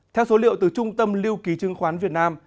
theo số liệu từ trung tâm lưu ký chứng khoán việt nam